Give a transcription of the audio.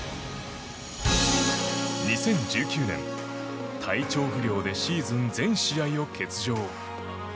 ２０１９年、体調不良でシーズン全試合を欠場。